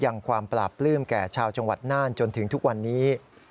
ความปราบปลื้มแก่ชาวจังหวัดน่านจนถึงทุกวันนี้